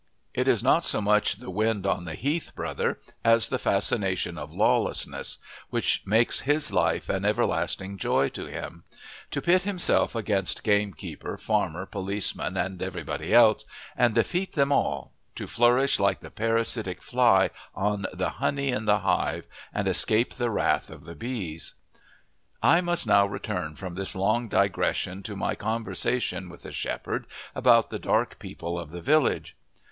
It is not so much the wind on the heath, brother, as the fascination of lawlessness, which makes his life an everlasting joy to him; to pit himself against gamekeeper, farmer, policeman, and everybody else, and defeat them all, to flourish like the parasitic fly on the honey in the hive and escape the wrath of the bees. I must now return from this long digression to my conversation with the shepherd about the dark people of the village.